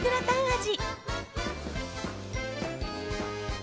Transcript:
味。